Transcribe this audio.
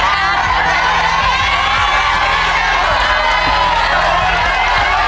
เร็วเร็วเร็วเร็ว